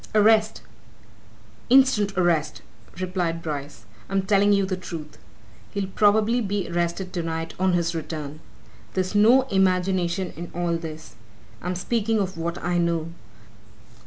"Arrest instant arrest!" replied Bryce. "I'm telling you the truth. He'll probably be arrested tonight, on his return. There's no imagination in all this I'm speaking of what I know.